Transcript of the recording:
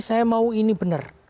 saya mau ini benar